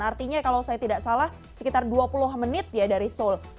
artinya kalau saya tidak salah sekitar dua puluh menit ya dari seoul